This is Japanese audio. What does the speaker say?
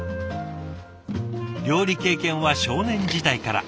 料理経験は少年時代から。